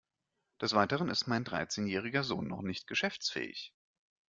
Des Weiteren ist mein dreizehnjähriger Sohn noch nicht geschäftsfähig.